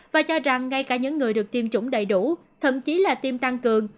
và cho rằng ngay cả những người được tiêm chủng đầy đủ thậm chí là tiêm tăng cường